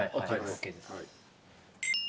ＯＫです。